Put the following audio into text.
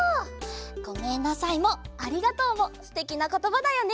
「ごめんなさい」も「ありがとう」もすてきなことばだよね！